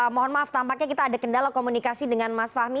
mohon maaf tampaknya kita ada kendala komunikasi dengan mas fahmi